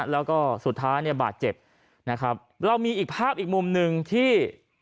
แล้วก็สุดท้ายเนี่ยบาดเจ็บนะครับเรามีอีกภาพอีกมุมหนึ่งที่